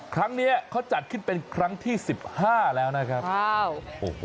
ครั้งนี้เขาจัดขึ้นเป็นครั้งที่๑๕แล้วนะครับ